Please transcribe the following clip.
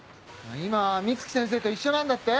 今美月先生と一緒なんだって？